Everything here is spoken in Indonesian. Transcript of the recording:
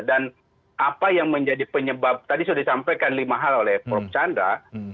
dan apa yang menjadi penyebab tadi sudah disampaikan lima hal oleh prof chandra